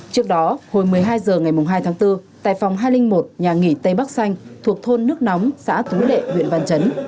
trước đó hồi một mươi hai h ngày hai tháng bốn tại phòng hai trăm linh một nhà nghỉ tây bắc xanh thuộc thôn nước nóng xã thú lệ huyện văn chấn